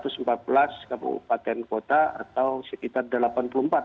sampah kejenis rumah tangga dan sampah kejenis rumah tangga dan sampah kejenis rumah tangga